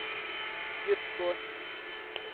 หยุดบ่น